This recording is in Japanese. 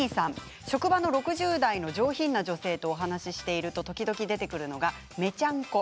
職場の６０代の上品な女性とお話ししていると時々出てくるのがめちゃんこ。